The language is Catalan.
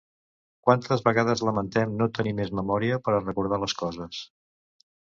Quantes vegades lamentem no tenir més memòria per a recordar les coses?